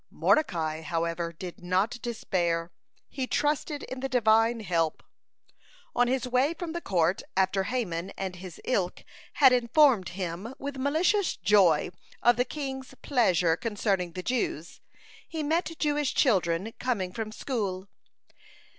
(121) Mordecai, however, did not despair; he trusted in the Divine help. On his way from the court, after Haman and his ilk had informed him with malicious joy of the king's pleasure concerning the Jews, he met Jewish children coming from school.